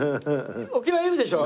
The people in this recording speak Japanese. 沖縄言うでしょ？